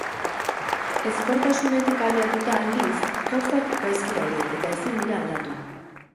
Ezkortasunetik abiatuta, aldiz, gauzak gaizki daude eta ezin dira aldatu.